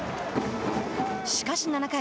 しかし７回。